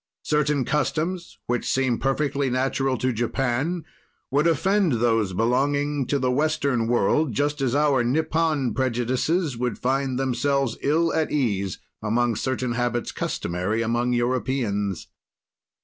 "Certain customs, which seem perfectly natural to Japan would offend those belonging to the western world, just as our Nippon prejudices would find themselves ill at ease among certain habits customary among Europeans."